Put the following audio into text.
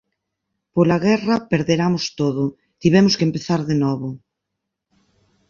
Pola guerra perderamos todo, tivemos que empezar de novo.